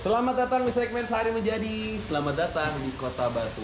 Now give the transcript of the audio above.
selamat datang di segmen sehari menjadi selamat datang di kota batu